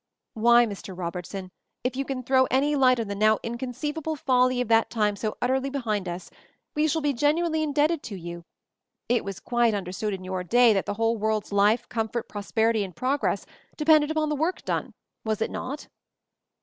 "Why Mr. Robertson, if you can throw any light on the now inconceivable folly of that time so utterly behind us, we shall be genuinely indebted to you. It was quite un derstood in your day that the whole world's MOVING THE MOUNTAIN 137 life, comfort, prosperity and progress de pended upon the work done, was it not?"